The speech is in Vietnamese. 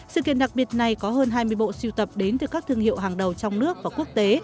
sự kiện đặc biệt này có hơn hai mươi bộ siêu tập đến từ các thương hiệu hàng đầu trong nước và quốc tế